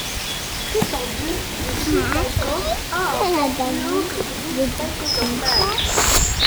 Très tendu, le shime-daiko a un ton plus haut que celui du taiko normal.